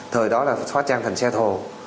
thời đó là hóa trang thành xe thồ